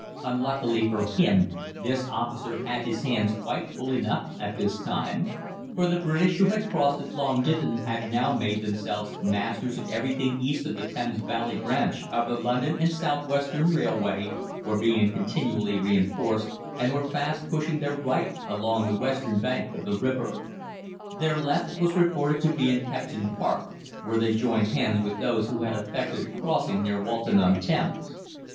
Unluckily for him this officer had his hands quite full enough at this time; for the British, who had crossed at Long Ditton, had now made themselves masters of everything east of the Thames Valley branch of the London and South Western Railway, were being continually reinforced, and were fast pushing their right along the western bank of the river. "Their left was reported to be at Kempton Park, where they joined hands with those who had effected a crossing near Walton on Thames.